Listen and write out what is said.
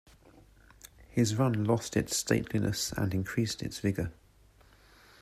His run lost its stateliness and increased its vigour.